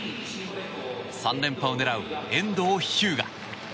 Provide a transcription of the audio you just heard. ３連覇を狙う遠藤日向。